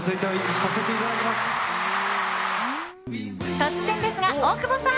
突然ですが、大久保さん。